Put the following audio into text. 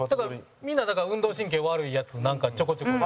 みんな、だから運動神経悪いやつなんか、ちょこちょこ。